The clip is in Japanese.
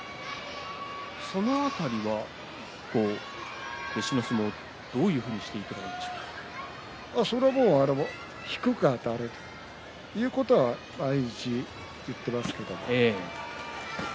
その辺りは弟子の相撲どういうふうにしていけばそれは低くあたるということは毎日言っていますけど。